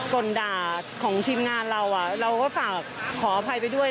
่นด่าของทีมงานเราเราก็ฝากขออภัยไปด้วย